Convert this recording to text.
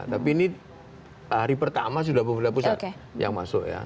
tapi ini hari pertama sudah pemerintah pusat yang masuk ya